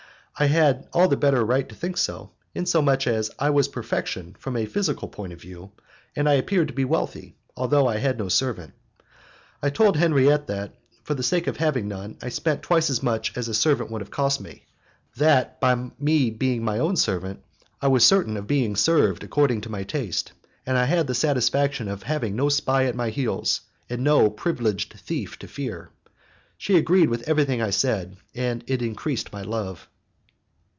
I had all the better right to think so, inasmuch as I was perfection from a physical point of view, and I appeared to be wealthy, although I had no servant. I told Henriette that, for the sake of having none, I spent twice as much as a servant would have cost me, that, by my being my own servant, I was certain of being served according to my taste, and I had the satisfaction of having no spy at my heels and no privileged thief to fear. She agreed with everything I said, and it increased my love.